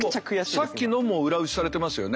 でもさっきのも裏打ちされてますよね。